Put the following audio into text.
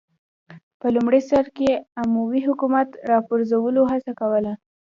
په لومړي سر کې اموي حکومت راپرځولو هڅه کوله